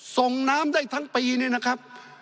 ส่งน้ำได้ทั้งปีเนี่ยนะครับ